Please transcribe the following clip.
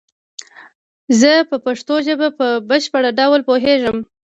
زه په پشتو ژبه په بشپړ ډول پوهیږم